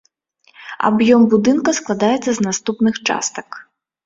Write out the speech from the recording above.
Аб'ём будынка складаецца з наступных частак.